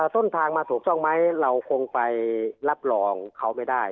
ต้นทางมาถูกต้องไหมเราคงไปรับรองเขาไม่ได้